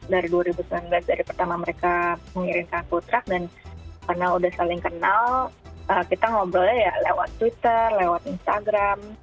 dari dua ribu sembilan belas dari pertama mereka mengirimkan food truck dan karena udah saling kenal kita ngobrolnya ya lewat twitter lewat instagram